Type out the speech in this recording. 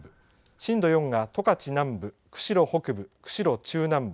震度４が十勝南部、釧路北部釧路中南部。